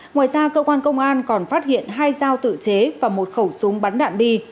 ngoài ra cơ quan công an còn phát hiện hai dao tự chế và một khẩu súng bắn đạn bi